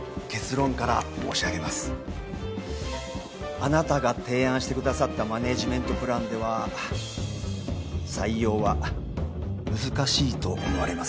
あなたが提案してくださったマネジメントプランでは採用は難しいと思われます。